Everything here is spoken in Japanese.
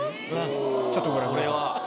ちょっとご覧ください。